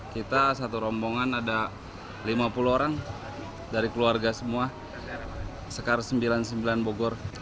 kita satu rombongan ada lima puluh orang dari keluarga semua sekar sembilan puluh sembilan bogor